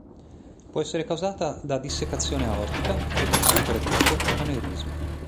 Può essere causata da dissecazione aortica, rigurgito cardiaco, aneurisma.